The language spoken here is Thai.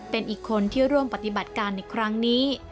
เป็นอีกคนที่ร่วมปฏิบัติการในครั้งนี้